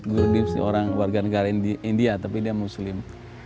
gur dip singh orang warga negara india tapi dia muslim